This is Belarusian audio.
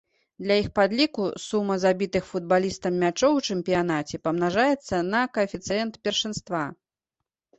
Для іх падліку сума забітых футбалістам мячоў у чэмпіянаце памнажаецца на каэфіцыент першынства.